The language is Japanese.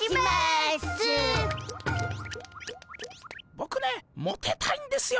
ボクねモテたいんですよ。